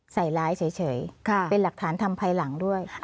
ใส่ร้ายเฉยเป็นหลักฐานทำภายหลังด้วย